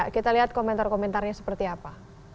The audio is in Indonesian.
kita lihat komentar komentarnya seperti apa